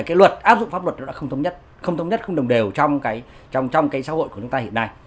cái luật áp dụng pháp luật nó đã không thống nhất không thống nhất không đồng đều trong cái xã hội của chúng ta hiện nay